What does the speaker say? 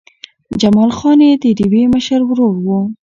جمال خان چې د ډېوې مشر ورور و